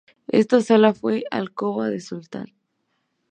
Esta sala fue alcoba del sultán.